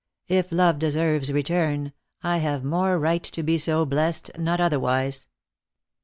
" If love deserves return, I have more right to be so blessed, not otherwise.